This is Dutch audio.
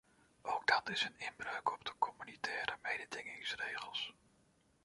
Ook dat is een inbreuk op de communautaire mededingingsregels.